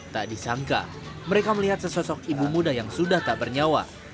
tak disangka mereka melihat sesosok ibu muda yang sudah tak bernyawa